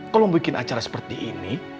kalau bikin acara seperti ini